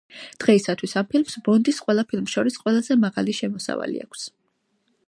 დღეისათვის ამ ფილმს ბონდის ყველა ფილმს შორის ყველაზე მაღალი შემოსავალი აქვს.